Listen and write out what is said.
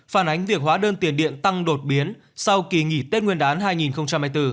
phản ánh việc hóa đơn tiền điện tăng đột biến sau kỳ nghỉ tết nguyên đán hai nghìn hai mươi bốn